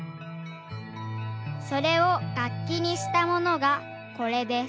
それをがっきにしたものがこれです。